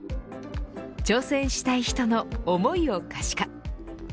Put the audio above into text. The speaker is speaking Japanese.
挑戦したい人の思いを可視化。